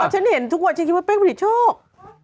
ฉันเห็นทุกวันฉันคิดว่าเป้งผลิตโชค